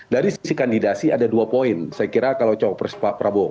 dari sisi kandidasi ada dua poin saya kira kalau cawapres pak prabowo